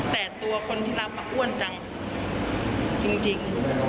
แต่ตัวคนที่รับมาอ้วนจังจริง